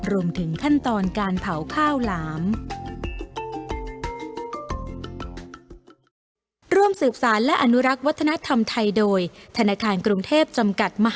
รวมถึงขั้นตอนการเผาข้าวหลาม